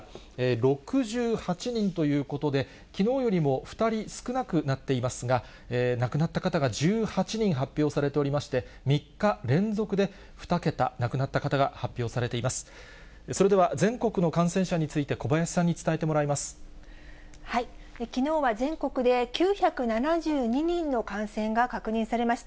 ６８人ということで、きのうよりも２人少なくなっていますが、亡くなった方が１８人発表されておりまして、３日連続で２桁、亡くなった方が発表されています。